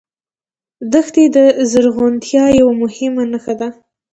دښتې د زرغونتیا یوه مهمه نښه ده.